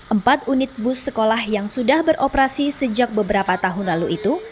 empat unit bus sekolah yang sudah beroperasi sejak beberapa tahun lalu itu